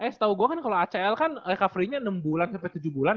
eh setahu gue kan kalau acl kan recovery nya enam bulan sampai tujuh bulan